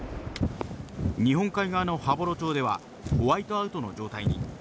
日本海側の羽幌町ではホワイトアウトの状態に。